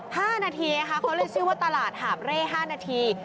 อ๋อเหรอ๕นาทีค่ะเขาเรียกชื่อว่าตลาดหาบเร่๕นาที